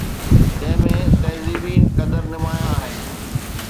جنهن ۾ تهذيبي قدر نمايان آهن.